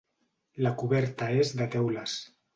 La coberta és de teules.